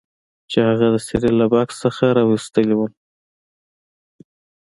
چې هغه د سیریل له بکس څخه راویستلی و